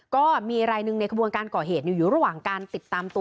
ก็มีรายหนึ่งในขบวนการก่อเหตุอยู่ระหว่างการติดตามตัว